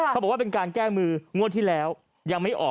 เขาบอกว่าเป็นการแก้มืองวดที่แล้วยังไม่ออก